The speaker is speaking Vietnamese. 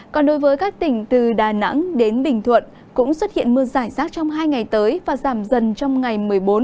còn đối với các tỉnh từ đà nẵng đến bình thuận cũng xuất hiện mưa giải rác trong hai ngày tới và giảm dần trong ngày một mươi bốn